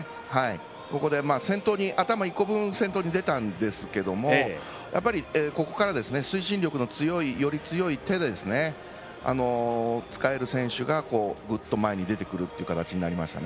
ここで頭１個分先頭に出たんですけれどもここから、推進力のより強い手で使える選手が、グッと前に出てくるという形になりましたね。